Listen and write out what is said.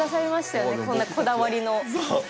こんなこだわりのお店の。